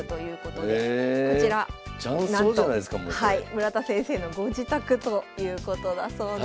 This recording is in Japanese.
村田先生のご自宅ということだそうです。